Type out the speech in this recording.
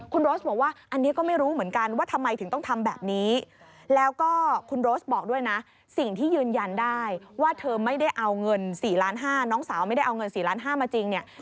คุณโรสบอกว่าอันนี้ก็ไม่รู้เหมือนกันว่าทำไมถึงต้องทำแบบนี้แล้วก็คุณโรสบอกด้วยนะสิ่งที่ยืนยันได้ว่าเธอไม่ได้เอาเงิน๔ล้าน๕น้องสาวไม่ได้เอาเงิน๔ล้านห้ามาจริงเนี่ย